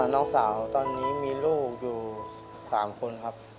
น้องสาวตอนนี้มีลูกอยู่๓คนครับ